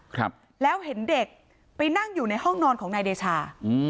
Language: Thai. ครับแล้วเห็นเด็กไปนั่งอยู่ในห้องนอนของนายเดชาอืม